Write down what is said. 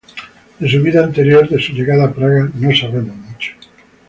De su vida anterior de su llegada a Praga, no sabemos mucho.